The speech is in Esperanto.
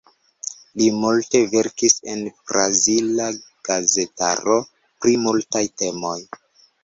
Li multe verkis en brazila gazetaro pri multaj temoj.